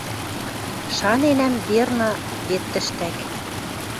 Шаненӓм, верно, вет тӹштӓк